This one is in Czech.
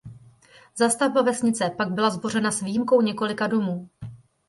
Zástavba vesnice pak byla zbořena s výjimkou několika domů.